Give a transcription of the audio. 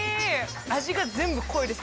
味が全部濃いです